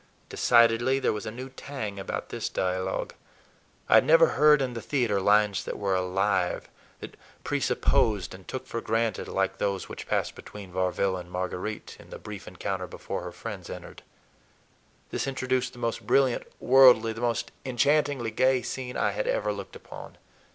Decidedly, there was a new tang about this dialogue. I had never heard in the theater lines that were alive, that presupposed and took for granted, like those which passed between Varville and Marguerite in the brief encounter before her friends entered. This introduced the most brilliant, worldly, the most enchantingly gay scene I had ever looked upon.